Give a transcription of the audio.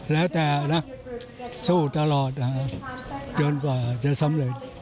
แล้วแต่นะสู้ตลอดจนกว่าจะสำเร็จ